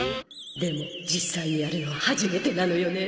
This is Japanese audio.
でも実際にやるのは初めてなのよね